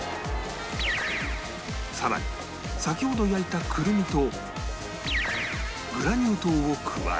更に先ほど焼いたくるみとグラニュー糖を加え